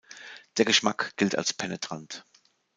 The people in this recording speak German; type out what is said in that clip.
Der Geschmack gilt als penetrant.